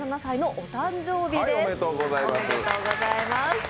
おめでとうございます。